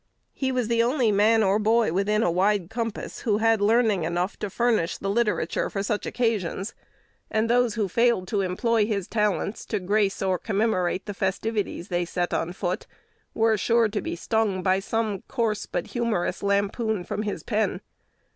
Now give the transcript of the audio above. He was the only man or boy within a wide compass who had learning enough to furnish the literature for such occasions; and those who failed to employ his talents to grace or commemorate the festivities they set on foot were sure to be stung by some coarse but humorous lampoon from his pen.